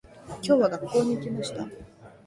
今日は、学校に行きました。